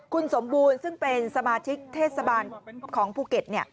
คุณสมบูรณ์ซึ่งเป็นสมาชิกเทศบาลของภูเก็ต